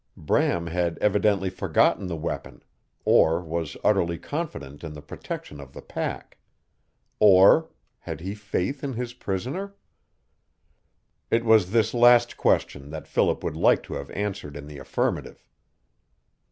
Bram had evidently forgotten the weapon, or was utterly confident in the protection of the pack. Or had he faith in his prisoner? It was this last question that Philip would liked to have answered in the affirmative.